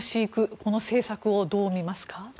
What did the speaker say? この政策、どうみますか？